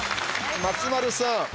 松丸さん。